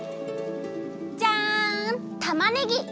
じゃんたまねぎ！